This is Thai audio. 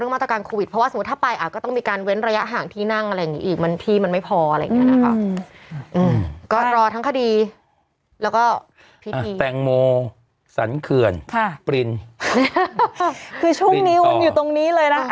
ไม่สามารถจะรองรับคนได้เยอะเหมือนนี่